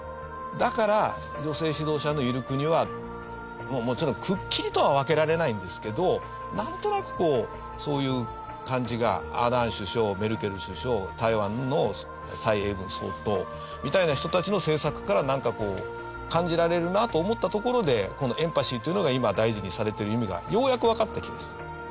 だから女性指導者のいる国はもちろんくっきりとは分けられないんですけどなんとなくそういう感じがアーダーン首相メルケル首相台湾の蔡英文総統みたいな人たちの政策からなんかこう感じられるなと思ったところでこのエンパシーというのが今大事にされてる意味がようやくわかった気がする。